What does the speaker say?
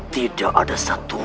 tidak ada satu